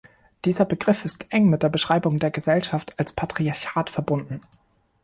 Dieser Begriff ist eng mit der Beschreibung der Gesellschaft als Patriarchat verbunden.